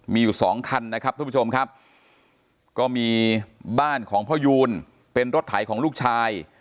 มีอยู่สองคันนะครับทุกผู้ชมครับก็มีบ้านของพ่อยูนเป็นรถไถของลูกชาย